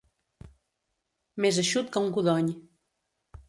Més eixut que un codony.